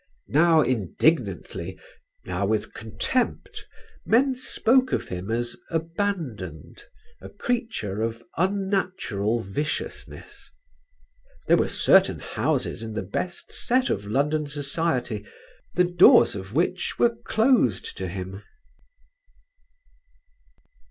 Now indignantly, now with contempt, men spoke of him as abandoned, a creature of unnatural viciousness. There were certain houses in the best set of London society the doors of which were closed to him.